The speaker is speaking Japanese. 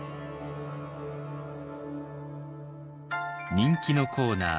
人気のコーナー